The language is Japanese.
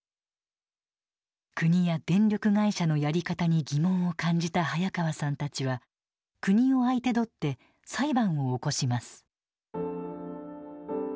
国や電力会社のやり方に疑問を感じた早川さんたちは国を相手取って裁判を起こします。